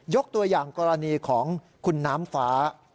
ตัวอย่างกรณีของคุณน้ำฟ้า